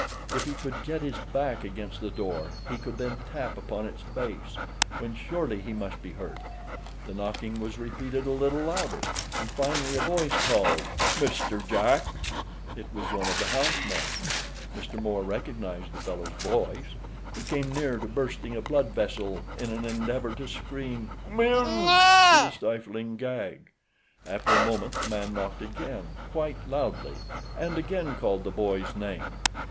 If he could get his back against the door he could then tap upon its base, when surely he must be heard. The knocking was repeated a little louder, and finally a voice called: "Mr. Jack!" It was one of the house men—Mr. Moore recognized the fellow's voice. He came near to bursting a blood vessel in an endeavor to scream "come in" through the stifling gag. After a moment the man knocked again, quite loudly and again called the boy's name.